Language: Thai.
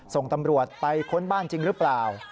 ส่งตำรวจไปค้นบ้านจริงหรือเปล่า